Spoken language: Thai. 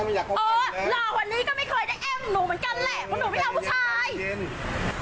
เพราะหนูไม่เอาผู้ชายโอ้โฮแค่เย็น